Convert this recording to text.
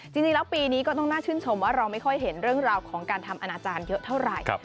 จริงแล้วปีนี้ก็ต้องน่าชื่นชมว่าเราไม่ค่อยเห็นเรื่องราวของการทำอนาจารย์เยอะเท่าไหร่